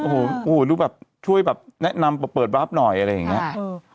โหโหช่วยแบบแนะนำเปิดวาฟหน่อยอะไรอย่างนี้ใช่